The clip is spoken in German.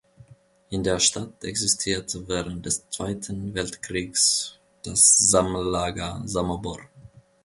In der Stadt existierte während des Zweiten Weltkriegs das Sammellager Samobor.